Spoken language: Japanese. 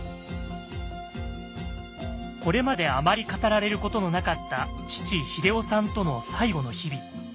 これまであまり語られることのなかった父英夫さんとの最後の日々。